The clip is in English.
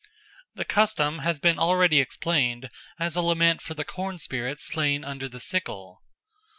The custom has been already explained as a lamen for the corn spirit slain under the sickle.